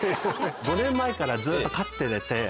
５年前からずっと飼ってて。